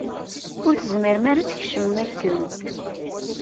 Ur tezmirem ara ad tkecmem akken.